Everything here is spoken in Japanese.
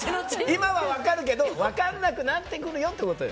今は分かるけど分かんなくなってくるよ